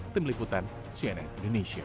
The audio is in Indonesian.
temeliputan cnn indonesia